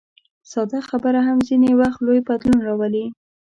ساده خبره هم ځینې وخت لوی بدلون راولي.